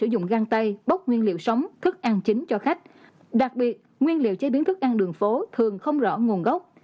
đặc biệt nguyên liệu chế biến thức ăn đường phố thường không rõ nguồn gốc